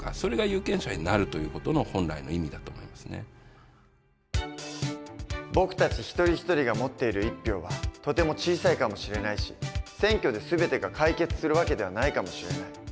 社会の中で僕たち一人一人が持っている１票はとても小さいかもしれないし選挙で全てが解決する訳ではないかもしれない。